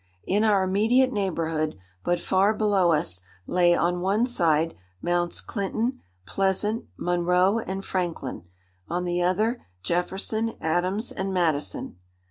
In our immediate neighbourhood, but far below us, lay on one side, Mounts Clinton, Pleasant, Monroe, and Franklin; on the other, Jefferson, Adams, and Madison.